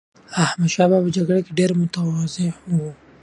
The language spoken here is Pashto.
احمدشاه بابا په جګړه کې ډېر متواضع و.